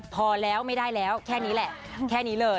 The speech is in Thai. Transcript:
พอแล้วไม่ได้แล้วแค่นี้แหละแค่นี้เลย